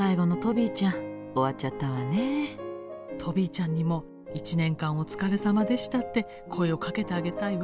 トビーちゃんにも「１年間お疲れさまでした」って声をかけてあげたいわ。